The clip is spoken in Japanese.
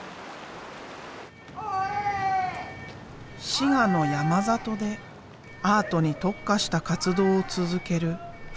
滋賀の山里でアートに特化した活動を続ける福祉施設がある。